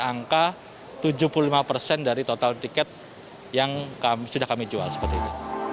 angka tujuh puluh lima persen dari total tiket yang sudah kami jual seperti itu